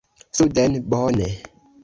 “Suden”, bone.